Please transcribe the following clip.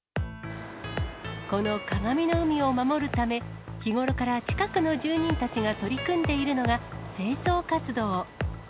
このかがみの海を守るため、日頃から近くの住人たちが取り組んでいるのが、清掃活動。